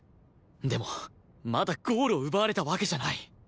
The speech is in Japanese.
でもまだゴールを奪われたわけじゃない